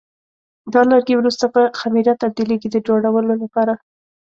دا لرګي وروسته په خمېره تبدیلېږي د جوړولو لپاره.